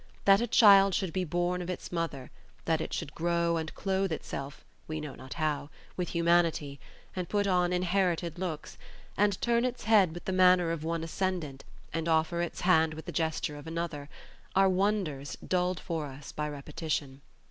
That a child should be born of its mother, that it should grow and clothe itself (we know not how) with humanity, and put on inherited looks, and turn its head with the manner of one ascendant, and offer its hand with the gesture of another, are wonders dulled for us by repetition.